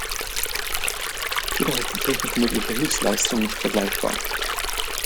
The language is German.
Jedoch ist die technisch mögliche Höchstleistung nicht vergleichbar.